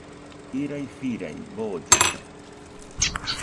Irai firai, boollesa